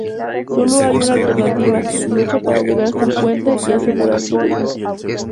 Solo hay una alternativa: lucha para llegar hasta el puente y asegurar tu huida.